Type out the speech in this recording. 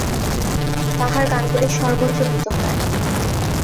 তাঁহার গানগুলি সর্বত্র গীত হয়।